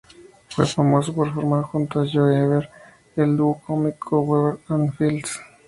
Fue famoso por formar junto a Joe Weber, el dúo cómico Weber and Fields.